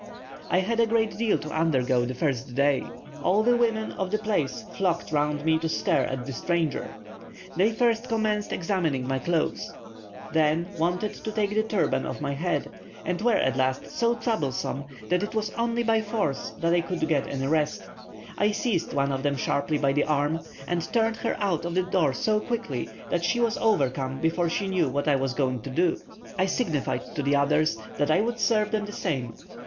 I had a great deal to undergo the first day: all the women of the place flocked round me to stare at the stranger. They first commenced examining my clothes, then wanted to take the turban off my head, and were at last so troublesome, that it was only by force that I could get any rest. I seized one of them sharply by the arm, and turned her out of the door so quickly, that she was overcome before she knew what I was going to do. I signified to the others that I would serve them the same.